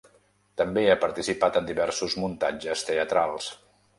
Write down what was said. També ha participat en diversos muntatges teatrals.